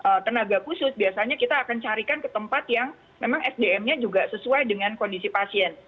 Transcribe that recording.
kalau tenaga khusus biasanya kita akan carikan ke tempat yang memang sdm nya juga sesuai dengan kondisi pasien